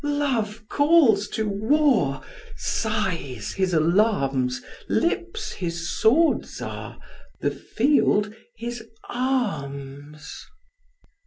Love calls to war; Sighs his alarms, Lips his swords are, The field his arms.